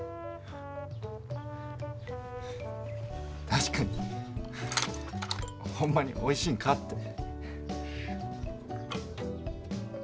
確かにほんまにおいしいんかって。